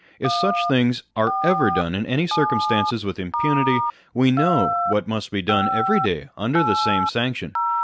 If such things are ever done in any circumstances with impunity, we know what must be done every day under the same sanction.